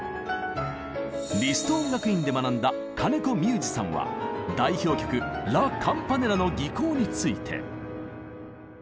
リスト音楽院で学んだ金子三勇士さんは代表曲「ラ・カンパネラ」の技巧について。